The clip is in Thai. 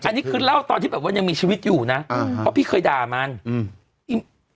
อันนี้คือเล่าตอนที่แบบว่ายังมีชีวิตอยู่นะอ่าเพราะพี่เคยด่ามันอืม